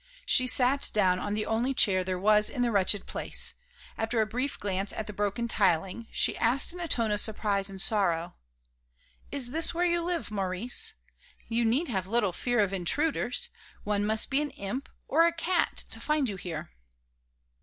She sat down on the only chair there was in the wretched place; after a brief glance at the broken tiling, she asked in a tone of surprise and sorrow: "Is this where you live, Maurice? You need have little fear of intruders. One must be an imp or a cat to find you here."